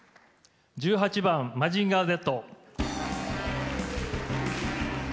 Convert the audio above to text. １８番「マジンガーＺ」。